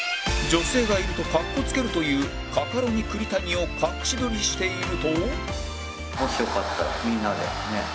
女性がいると格好付けるというカカロニ栗谷を隠し撮りしていると